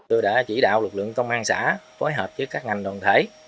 tôi đã chỉ đạo lực lượng công an xã phối hợp với các ngành đoàn thể